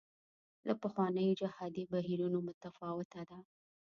له پخوانیو جهادي بهیرونو متفاوته ده.